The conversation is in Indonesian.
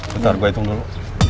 bentar gue hitung dulu